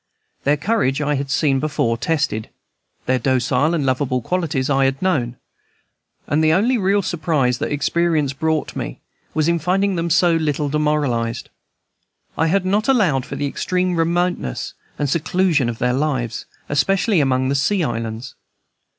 Their courage I had before seen tested; their docile and lovable qualities I had known; and the only real surprise that experience brought me was in finding them so little demoralized. I had not allowed for the extreme remoteness and seclusion of their lives, especially among the Sea Islands.